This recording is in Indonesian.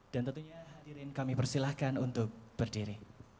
dan tentunya hadirin kami persilahkan untuk berdiri